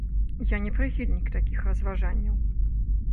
Я не прыхільнік такіх разважанняў.